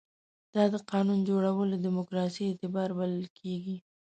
دا د قانون جوړولو دیموکراسي اعتبار بلل کېږي.